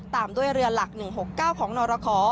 ตามด้วยเรือหลัก๑๖๙ของนรค